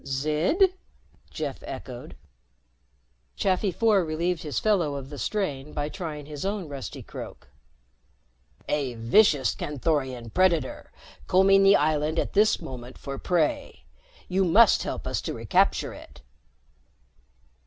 "Zid?" Jeff echoed. Chafi Four relieved his fellow of the strain by trying his own rusty croak. "A vicious Canthorian predator, combing the island at this moment for prey. You must help us to recapture it."